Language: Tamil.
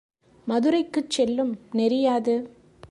மதுரைக்குச் செல்லும் நெறியாது?